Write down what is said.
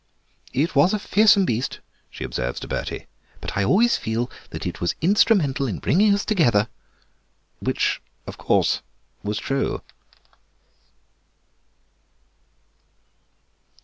"It was a fearsome beast," she observes to Bertie, "but I always feel that it was instrumental in bringing us together." Which, of course, was true.